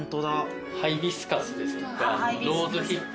ハイビスカスですとかローズヒップ。